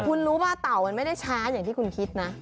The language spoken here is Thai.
คุณรู้ป่เต่ามันไม่ได้ช้าอย่างที่คุณคิดนะ